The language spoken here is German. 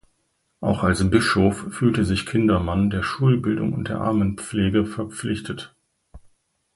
Auch als Bischof fühlte sich Kindermann der Schulbildung und der Armenpflege verpflichtet.